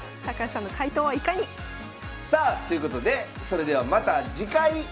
高橋さんの回答はいかに⁉さあということでそれではまた次回！